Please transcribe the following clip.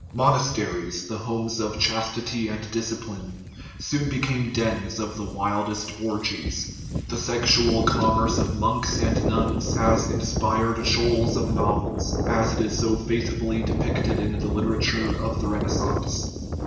Monasteries, the homes of chastity and discipline, soon became dens of the wildest orgies; the sexual commerce of monks and nuns has inspired shoals of novels, as it is so faithfully depicted in the literature of the Renaissance.